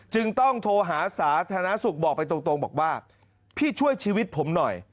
จึงต้องโทรหาสาธารณสุขบอกไปตรงบอกว่าพี่ช่วยชีวิตผมหน่อย